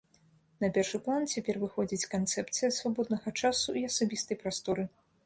На першы план цяпер выходзіць канцэпцыя свабоднага часу і асабістай прасторы.